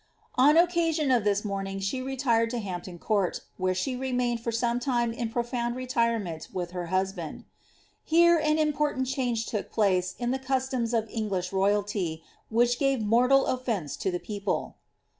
On occasion of this mourning she retired to Hampton Court, where she remained for some time in profound retirement with her husband. Here an important change took place in tlie customs of English royalty, which gave mortal oflence to the people.